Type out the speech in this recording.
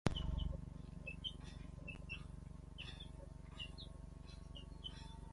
Mishiqa ukushtam qatiykachaykan.